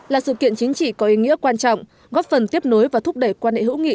là sự kiện chính trị có ý nghĩa quan trọng góp phần tiếp nối và thúc đẩy quan hệ hữu nghị